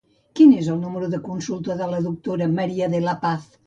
Quin és el número de consulta de la doctora Maria de la Paz?